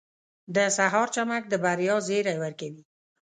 • د سهار چمک د بریا زیری ورکوي.